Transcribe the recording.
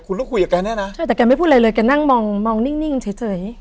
คุณต้องคุยกับแกเนี่ยนะใช่แต่แกไม่พูดอะไรเลยแกนั่งมองมองนิ่งเฉย